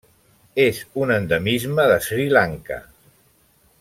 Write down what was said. És un endemisme de Sri Lanka.